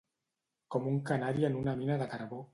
Com un canari en una mina de carbó.